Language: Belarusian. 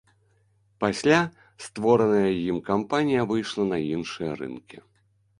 Пасля створаная ім кампанія выйшла на іншыя рынкі.